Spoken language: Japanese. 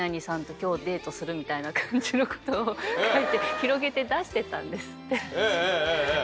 みたいな感じのことを書いて広げて出してたんですって。